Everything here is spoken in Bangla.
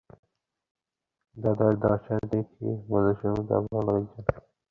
দাদার দশা যে কী, মধুসূদন তা ভালোই জানে।